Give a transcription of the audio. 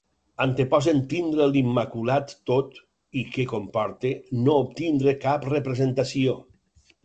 Anteposen tindre’l immaculat tot i que comporte no obtindre cap representació.